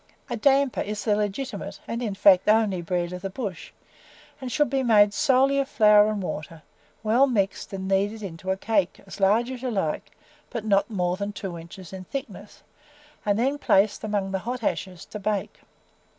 A damper is the legitimate, and, in fact, only bread of the bush, and should be made solely of flour and water, well mixed and kneaded into a cake, as large as you like, but not more than two inches in thickness, and then placed among the hot ashes to bake.